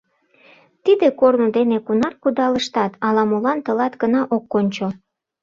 Тиде корно дене кунар кудалыштат, ала-молан тылат гына ок кончо.